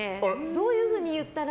どういうふうに言ったら。